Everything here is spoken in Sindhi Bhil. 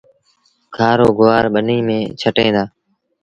کآرو گُوآر ٻنيٚ ميݩ ڇٽيٚن دآ